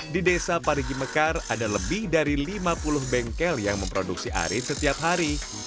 di desa parigi mekar ada lebih dari lima puluh bengkel yang memproduksi arit setiap hari